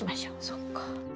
そっか。